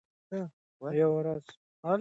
یوه ورځ ګوندي د ستر قاضي په مخ کي